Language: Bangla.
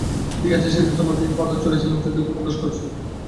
ঠিক আছে, সেদিন তোমার দিকে পাথর ছুঁড়েছিলাম তাই দুঃখ প্রকাশ করছি।